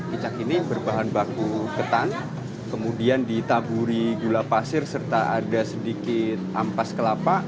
kicak ini berbahan baku ketan kemudian ditaburi gula pasir serta ada sedikit ampas kelapa